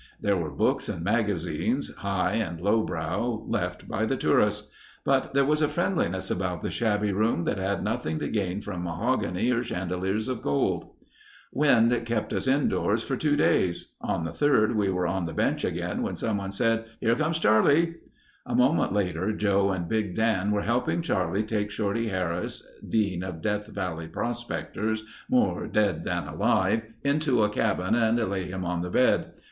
There were books and magazines—high and low brow, left by the tourists. But there was a friendliness about the shabby room that had nothing to gain from mahogany or chandeliers of gold. Wind kept us indoors for two days. On the third we were on the bench again when someone said, "Here comes Charlie...." A moment later Joe and Big Dan were helping Charlie take Shorty Harris, dean of Death Valley prospectors, more dead than alive, into a cabin and lay him on the bed.